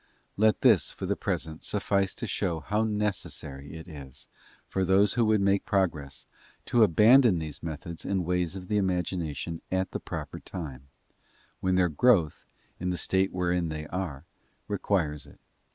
Let this, for the present, suffice to show how necessary it is for those who would make progress, to abandon these methods and ways of the imagination at the proper time, when their growth, in that state wherein they are, requires it.